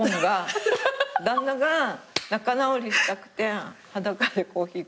旦那が仲直りしたくて裸でコーヒー